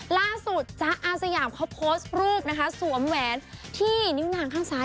ล่าสุดจ๊ะอาสยามเขาโพสต์รูปนะคะสวมแหวนที่นิ้วนางข้างซ้าย